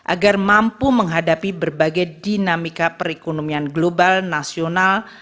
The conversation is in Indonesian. agar mampu menghadapi berbagai dinamika perekonomian global nasional